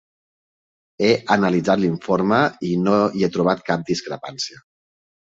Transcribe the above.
He analitzat l'informe i no hi he trobat cap discrepància.